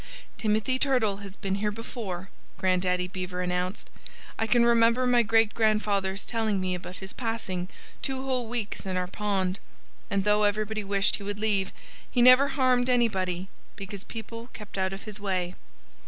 "Timothy Turtle has been here before," Grandaddy Beaver announced. "I can remember my great grandfather's telling me about his passing two whole weeks in our pond. And though everybody wished he would leave, he never harmed anybody, because people kept out of his way."